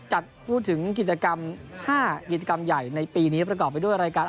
จัดพูดถึงกิจกรรม๕กิจกรรมใหญ่ในปีนี้ประกอบไปด้วยรายการ